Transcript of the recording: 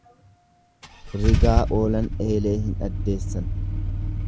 Rigaa oolan eelee hin addeessan.